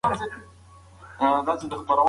غلام په ډاډه زړه وویل چې زه د بخل لاره نه نیسم.